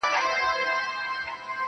خر په پوه سوچی لېوه یې غوښي غواړي -